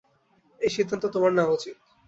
এই সিদ্ধান্ত তোমার নেওয়া উচিৎ।